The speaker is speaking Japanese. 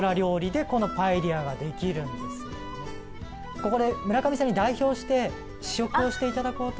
ここで村上さんに代表して試食をして頂こうと。